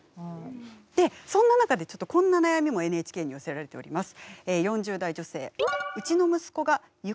でそんな中でちょっとこんな悩みもＮＨＫに寄せられております。